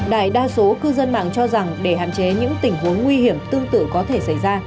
đại đa số cư dân mạng cho rằng để hạn chế những tình huống nguy hiểm tương tự có thể xảy ra